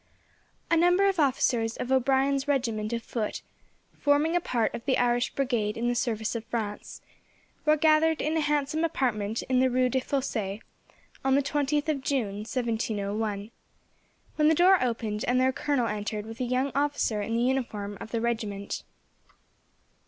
A number of officers of O'Brien's regiment of foot, forming a part of the Irish Brigade in the service of France, were gathered in a handsome apartment in the Rue des Fosses, on the 20th of June, 1701, when the door opened, and their colonel entered with a young officer in the uniform of the regiment.